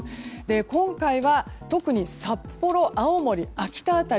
今回は特に札幌、青森、秋田辺り